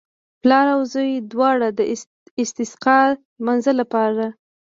پلار او زوی دواړو د استسقا لمانځه لپاره.